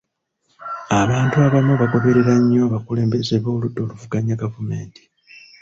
Abantu abamu bagoberera nnyo abakulembeze b'oludda oluvuganya gavumenti.